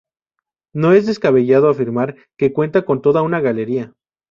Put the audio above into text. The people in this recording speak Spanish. No es descabellado afirmar que cuenta con toda una galería.